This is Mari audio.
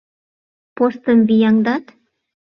Постым вияҥдат?